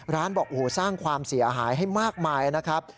ร้านบอกโอ้โหสร้างความเสียหายให้มากมายนะครับ